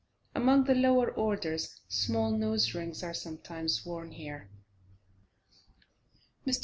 Among the lower orders small nose rings are sometimes worn here. Mr.